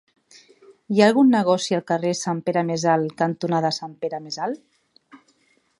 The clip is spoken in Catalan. Hi ha algun negoci al carrer Sant Pere Més Alt cantonada Sant Pere Més Alt?